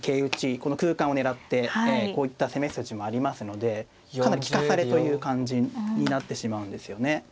この空間を狙ってこういった攻め筋もありますのでかなり利かされという感じになってしまうんですよね。